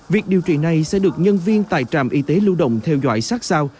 việc điều trị này sẽ được nhân viên tại trạm y tế lưu động theo dõi sát sao